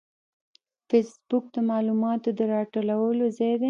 فېسبوک د معلوماتو د راټولولو ځای دی